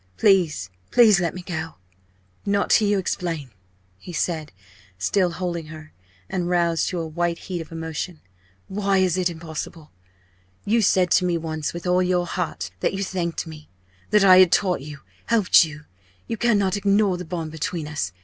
Please, please let me go!" "Not till you explain!" he said, still holding her, and roused to a white heat of emotion "why is it impossible? You said to me once, with all your heart, that you thanked me, that I had taught you, helped you. You cannot ignore the bond between us!